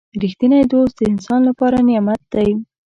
• رښتینی دوست د انسان لپاره نعمت دی.